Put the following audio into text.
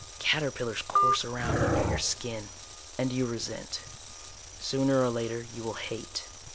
Caterpillars course around under your skin. And you resent. Sooner or later you will hate.